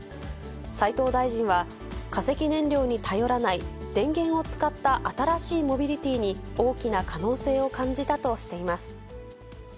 斉藤大臣は、化石燃料に頼らない電源を使った新しいモビリティーに大きな可能性を感じたとしています。